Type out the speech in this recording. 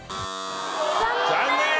残念。